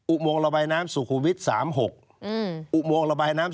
อุปโมงระบายน้ำสุขุวิทย์๒๔